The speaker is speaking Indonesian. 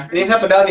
ini yang sepedal nih